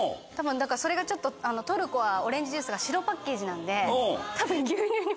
それがちょっとトルコはオレンジジュースが白パッケージなんで多分。